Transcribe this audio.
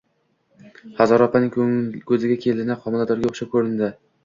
Hazora opaning koʻziga kelini homiladorga oʻxshab koʻrindi